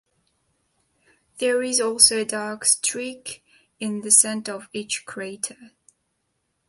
There is also a dark streak in the center of each crater.